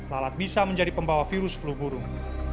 lalat bisa menjadi pembawa virus flu burung